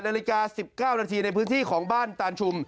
นาฬิกา๑๙นาทีในพื้นที่ของบ้านตานชุม